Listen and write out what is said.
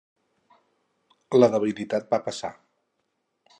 La debilitat va passar.